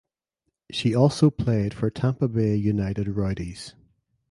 She also played for Tampa Bay United Rowdies.